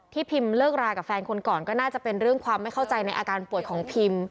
พิมเลิกรากับแฟนคนก่อนก็น่าจะเป็นเรื่องความไม่เข้าใจในอาการป่วยของพิม